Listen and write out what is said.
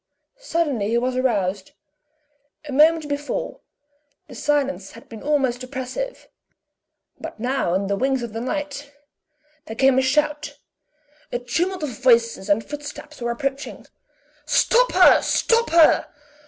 Suddenly he was aroused; a moment before, the silence had been almost oppressive but now on the wings of the night, there came a shout. A tumult of voices and footsteps were approaching. "Stop her! Stop her!"